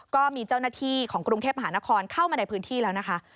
ก็มีเจ้าหน้าที่ของกรุงเทพมหานครเข้ามาในพื้นที่แล้วนะคะ